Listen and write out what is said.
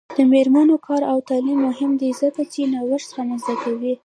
د میرمنو کار او تعلیم مهم دی ځکه چې نوښت رامنځته کوي.